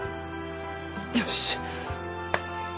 よし。